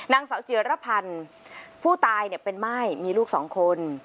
นางเสาเจรพันธ์ผู้ตายเป็นม่ายมีลูกสองคน